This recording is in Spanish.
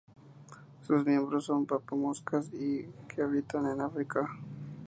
Sus miembros son papamoscas que habitan en África.